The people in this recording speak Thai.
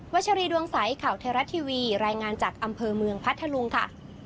ัชรีดวงใสข่าวไทยรัฐทีวีรายงานจากอำเภอเมืองพัทธลุงค่ะ